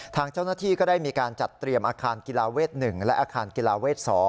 ทางเจ้าหน้าที่ก็ได้มีการจัดเตรียมอาคารกีฬาเวท๑และอาคารกีฬาเวท๒